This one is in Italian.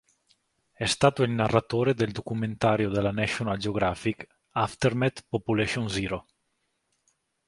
È stato il narratore del documentario della National Geographic "Aftermath: Population Zero".